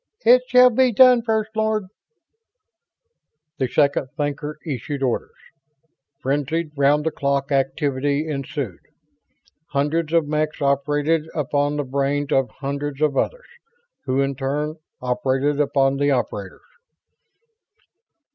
"It shall be done, First Lord." The Second Thinker issued orders. Frenzied, round the clock activity ensued. Hundreds of mechs operated upon the brains of hundreds of others, who in turn operated upon the operators.